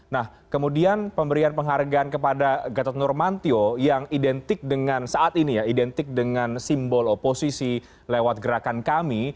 nah kemudian pemberian penghargaan kepada gatot nurmantio yang identik dengan saat ini ya identik dengan simbol oposisi lewat gerakan kami